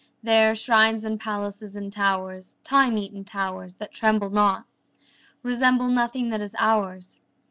There shrines and palaces and towers (Time eaten towers that tremble not!) Resemble nothing that is ours.